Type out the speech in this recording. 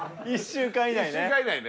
１週間以内ね。